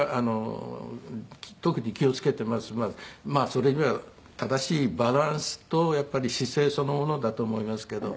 それには正しいバランスとやっぱり姿勢そのものだと思いますけど。